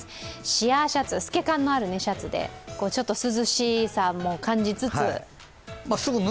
シアーシャツ、透け感のあるシャツでちょっと涼しさも感じつつ。